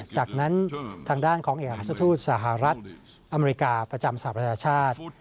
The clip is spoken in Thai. จากนั้นทางด้านของเอกราชทูตสหรัฐอเมริกาประจำสหประชาชาติ